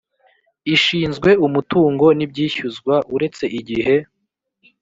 ishinzwe umutungo n ibyishyuzwa uretse igihe